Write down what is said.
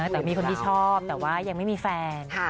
แต่มีคนที่ชอบแต่ว่ายังไม่มีแฟน